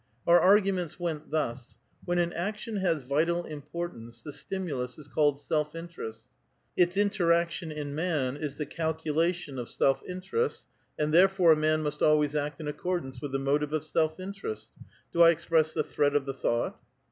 Our arguments went thus : when an action has vital importance, the stimulus is called self interest ; its interaction in man is the calcula tion of self interests, and therefore a man must always act in accordance with the motive of self interest. Do I express the thread of the thought?